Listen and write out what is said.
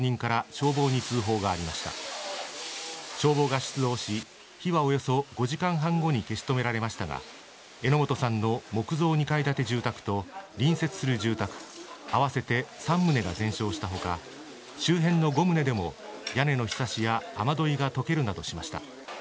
消防が出動し、火はおよそ５時間半後に消し止められましたが、榎本さんの木造２階建て住宅と隣接する住宅合わせて３棟が全焼したほか、周辺の５棟でも屋根のひさしや雨どいが溶けるなどしました。